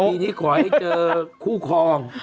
ยินดีนะครับขอให้เจอคู่คลอง